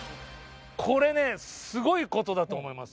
これねすごいことだと思います。